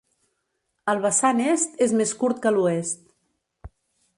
El vessant est és més curt que l'oest.